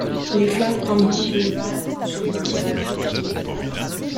Les fleurs prendront des airs penchés dans les ravines ;